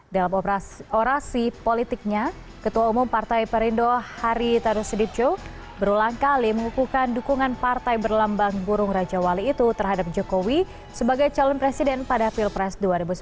dalam orasi politiknya ketua umum partai perindo hari taruseditjo berulang kali mengukuhkan dukungan partai berlambang burung raja wali itu terhadap jokowi sebagai calon presiden pada pilpres dua ribu sembilan belas